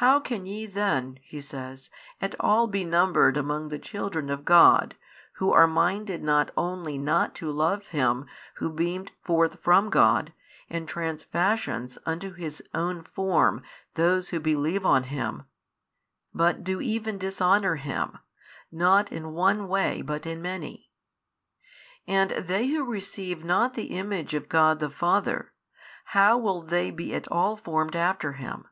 How can ye then (He says) at all be numbered among the children of God, who are minded not only not to love Him Who beamed forth from God and transfashions unto His own Form those who believe on Him, but do even dishonour Him, not in one way but in many? and they who receive not the Image of God the Father, how will they be at all formed after Him?